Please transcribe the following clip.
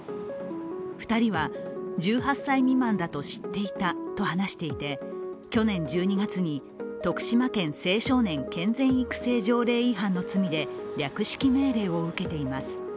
２人は１８歳未満だと知っていたと話していて去年１２月に徳島県青少年健全育成条例違反の罪で略式命令を受けています。